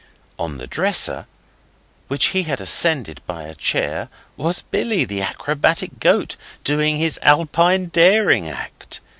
On the dresser which he had ascended by a chair was Billy, the acrobatic goat, doing his Alpine daring act.